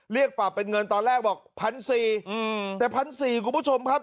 เรียกปรับเป็นเงินตอนแรกบอกพันสี่อืมแต่๑๔๐๐คุณผู้ชมครับ